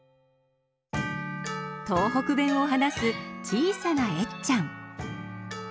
東北弁を話す小さなエッちゃん。